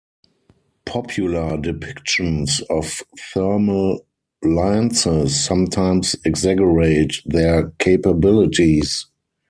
Popular depictions of thermal lances sometimes exaggerate their capabilities.